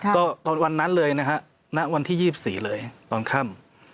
ก็ตอนวันนั้นเลยนะฮะณวันที่๒๔เลยตอนค่ำ